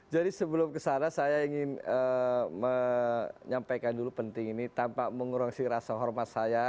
jadi sebelum kesana saya ingin menyampaikan dulu penting ini tanpa mengurangi rasa hormat saya